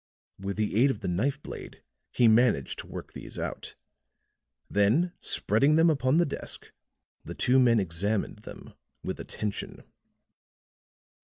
With the aid of the knife blade he managed to work these out; then spreading them upon the desk the two men examined them with attention.